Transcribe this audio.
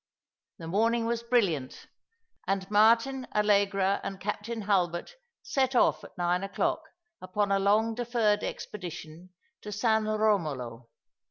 The morning was brilliant, and Martin, Allegra, and Captain Hulbert set oflf at nine o'clock upon a long deferred expedition to San Eomolo.